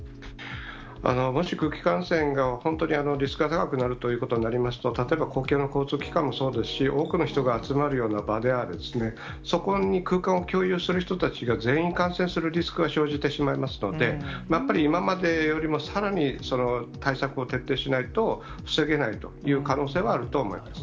もし空気感染が本当にリスクが高くなるということになりますと、例えば公共の交通機関もそうですし、多くの人が集まるような場である、そこに空間を共有する人たちが全員感染するリスクが生じてしまいますので、やっぱり今までよりもさらに対策を徹底しないと、防げないという可能性はあると思います。